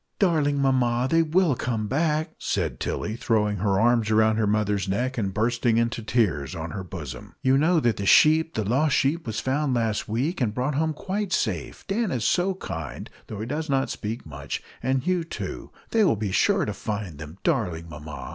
"Darling mamma, they will come back!" said Tilly, throwing her arms round her mother's neck, and bursting into tears on her bosom. "You know that the sheep the lost sheep was found last week, and brought home quite safe. Dan is so kind, though he does not speak much, and Hugh too. They will be sure to find them, darling mamma!"